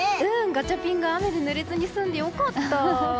ガチャピンが雨にぬれずに済んで良かった。